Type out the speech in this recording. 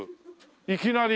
いきなり。